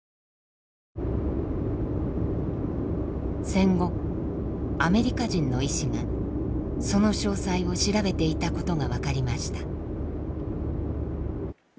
戦後アメリカ人の医師がその詳細を調べていたことが分かりました。